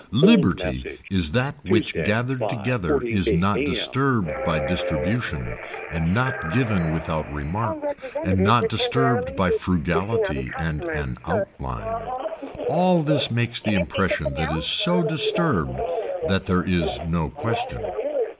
Liberty is that which gathered together is not disturbed by distribution and not given without remark and not disturbed by frugality and an outline. All this makes the impression that is so disturbed that there is no question.